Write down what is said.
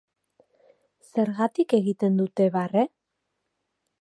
Zergatik egiten dute barre?